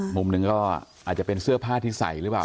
มุมหนึ่งก็อาจจะเป็นเสื้อผ้าที่ใส่หรือเปล่า